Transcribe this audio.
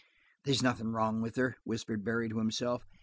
"They's nothin' wrong with her," whispered Barry to himself.